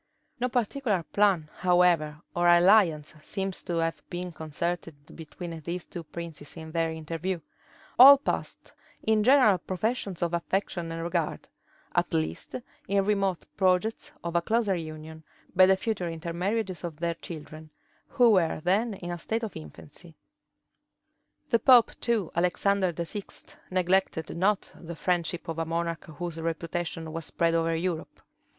No particular plan, however, of alliance seems to have been concerted between these two princes in their interview: all passed in general professions of affection and regard; at least, in remote projects of a closer union, by the future intermarriages of their children, who were then in a state of infancy. {1500.} The Pope, too, Alexander VI., neglected not the friendship of a monarch whose reputation was spread over Europe.